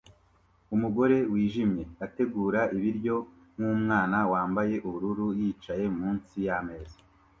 Umugore wijimye ategura ibiryo nkumwana wambaye ubururu yicaye munsi yameza